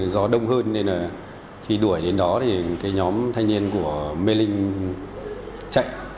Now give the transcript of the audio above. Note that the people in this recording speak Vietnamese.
gió đông hơn nên là khi đuổi đến đó thì cái nhóm thanh niên của mê linh chạy